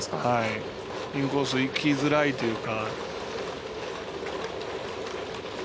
インコース、いきづらいというか。